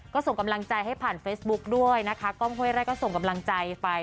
ก็ส่งกำลังใจให้ผ่านเฟซบุ๊กด้วยนะคะกล้องห้วยไร่ก็ส่งกำลังใจไป